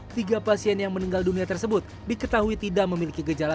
tiga pasien yang meninggal dunia tersebut diketahui tidak memiliki gejala